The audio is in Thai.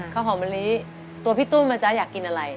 ข้าวหอมมะลิตัวพี่ตุ้มอ่ะจ๊ะอยากกินอะไร